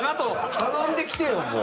頼んできてよもう。